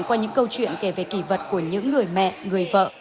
qua những câu chuyện kể về kỷ vật của những người mẹ người vợ